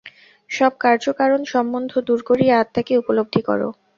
সব কার্য-কারণ-সম্বন্ধ দূর করিয়া আত্মাকে উপলব্ধি কর।